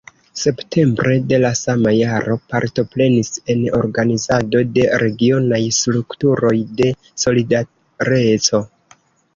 Septembre de la sama jaro partoprenis en organizado de regionaj strukturoj de "Solidareco".